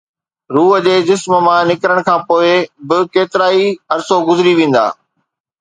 روح جي جسم مان نڪرڻ کان پوءِ به ڪيترائي عرصو گذري ويندا